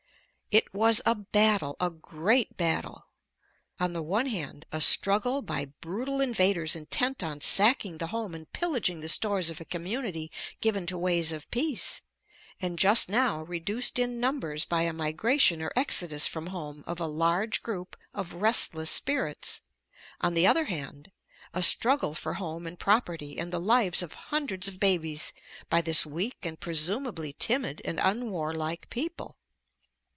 It was a battle, a great battle. On the one hand, a struggle by brutal invaders intent on sacking the home and pillaging the stores of a community given to ways of peace and just now reduced in numbers by a migration or exodus from home of a large group of restless spirits; on the other hand, a struggle for home and property and the lives of hundreds of babies by this weak and presumably timid and unwarlike people.